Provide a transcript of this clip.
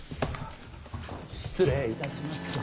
失礼いたしました。